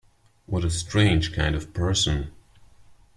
What a strange kind of person!